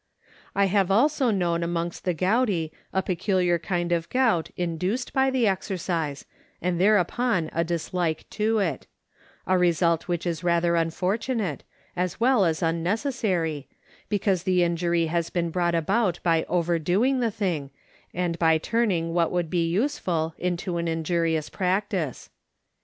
I have also known amongst the gouty a peculiar kind of gout induced by the exercise, and there upon a dislike to it ŌĆö a result which is rather unfortunate, as well as unnecessary, because the injury has been brought about by overdoing the thing, and by turning what would be useful into an inj urious practice.